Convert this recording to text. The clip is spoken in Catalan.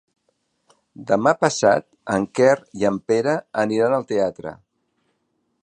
Demà passat en Quer i en Pere aniran al teatre.